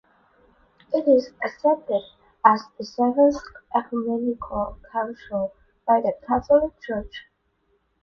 It is accepted as the Seventh Ecumenical Council by the Catholic Church.